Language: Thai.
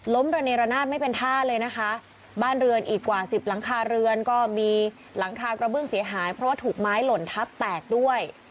ระเนรนาศไม่เป็นท่าเลยนะคะบ้านเรือนอีกกว่าสิบหลังคาเรือนก็มีหลังคากระเบื้องเสียหายเพราะว่าถูกไม้หล่นทับแตกด้วย